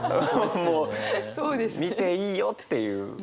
もう見ていいよっていう。